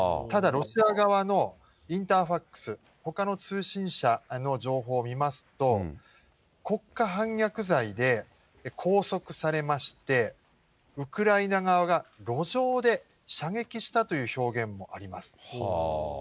ただ、ロシア側のインターファクス、ほかの通信社の情報を見ますと、国家反逆罪で拘束されまして、ウクライナ側が路上で射撃したという表現もあります。